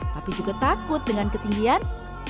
tapi juga takut dengan ketinggian